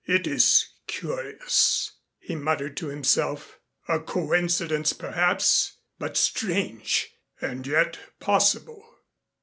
"It is curious," he muttered to himself. "A coincidence perhaps, but strange. And yet possible."